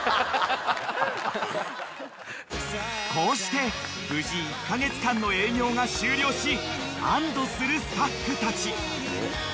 ［こうして無事１カ月間の営業が終了し安堵するスタッフたち］